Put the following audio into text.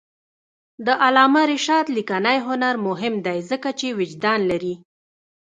د علامه رشاد لیکنی هنر مهم دی ځکه چې وجدان لري.